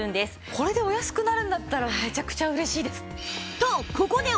これでお安くなるんだったらめちゃくちゃ嬉しいです。